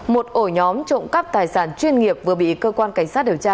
một ổ nhóm trộm cắp tài sản chuyên nghiệp vừa bị cơ quan cảnh sát điều tra